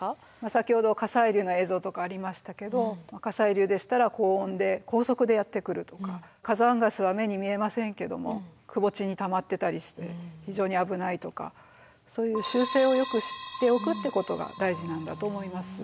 先ほど火砕流の映像とかありましたけど火砕流でしたら高温で高速でやって来るとか火山ガスは目に見えませんけどもくぼ地にたまってたりして非常に危ないとかそういう習性をよく知っておくってことが大事なんだと思います。